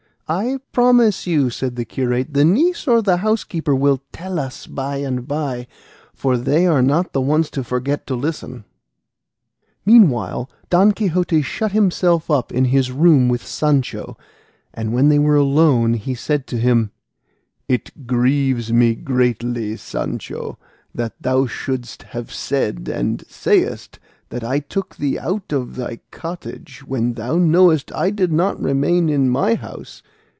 "I promise you," said the curate, "the niece or the housekeeper will tell us by and by, for they are not the ones to forget to listen." Meanwhile Don Quixote shut himself up in his room with Sancho, and when they were alone he said to him, "It grieves me greatly, Sancho, that thou shouldst have said, and sayest, that I took thee out of thy cottage, when thou knowest I did not remain in my house.